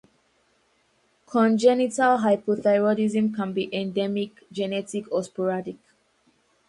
Congenital hypothyroidism can be endemic, genetic, or sporadic.